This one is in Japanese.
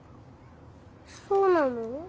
そうなの？